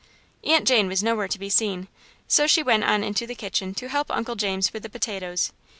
Aunt Jane was nowhere to be seen, so she went on into the kitchen to help Uncle James with the potatoes.